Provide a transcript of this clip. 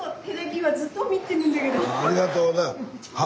ありがとうございます。